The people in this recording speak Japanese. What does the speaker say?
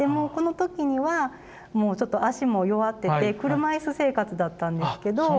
この時にはもうちょっと足も弱ってて車椅子生活だったんですけど。